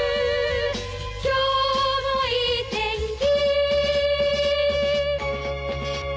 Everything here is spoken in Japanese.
「今日もいい天気」